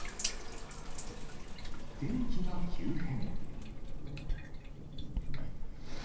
天気が急変。